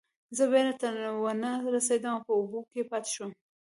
زه بیړۍ ته ونه رسیدم او په اوبو کې پاتې شوم.